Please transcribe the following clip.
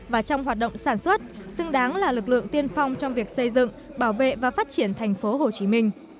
và trong hoạt động sản xuất xứng đáng là lực lượng tiên phong trong việc xây dựng bảo vệ và phát triển tp hcm